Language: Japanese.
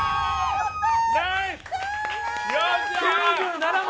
やったー！